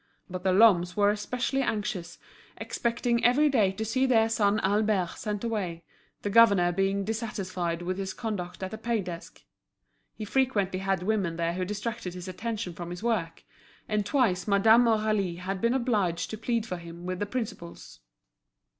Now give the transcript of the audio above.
But the Lhommes were especially anxious, expecting every day to see their son Albert sent away, the governor being very dissatisfied with his conduct at the pay desk. He frequently had women there who distracted his attention from his work; and twice Madame Aurélie had been obliged to plead for him with the principals.